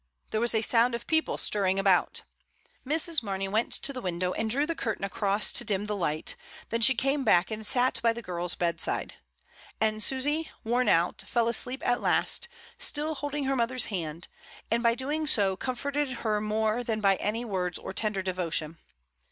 There was a sound of people stirring about. Mrs. Marney went to the window and drew the curtain across to dim the light; then she came back and sat by the girl's bedside; and Susy, worn out, fell asleep at last, still holding her mother's hand, and by doing so comforted her more than by any words or tender devotion.